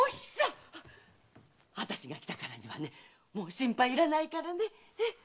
あたしが来たからにはもう心配いらないからね！